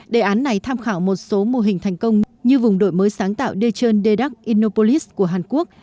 đề án này tham khảo một số mô hình thành công như vùng đổi mới sáng tạo đê trơn đê đắc innopolis của hàn quốc